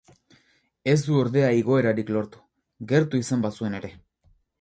Ez du ordea igoerarik lortu, gertu izan bazuen ere.